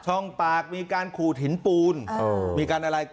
ช่องปากมีการขูดหินปูนมีการอะไร